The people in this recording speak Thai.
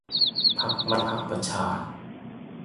พรรคมติประชา